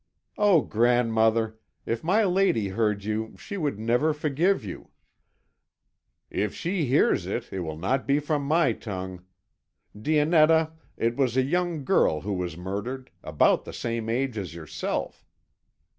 "Oh, grandmother! If my lady heard you she would never forgive you." "If she hears it, it will not be from my tongue. Dionetta, it was a young girl who was murdered, about the same age as yourself.